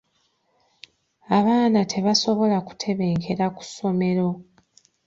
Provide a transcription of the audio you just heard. Abaana tebasobola kutebenkera ku ssomero.